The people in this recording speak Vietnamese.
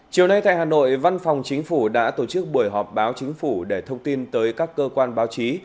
chiều nay tại hà nội văn phòng chính phủ đã tổ chức buổi họp báo chính phủ để thông tin tới các cơ quan báo chí